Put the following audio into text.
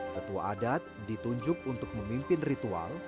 tetua adat ditunjuk untuk memimpin ritual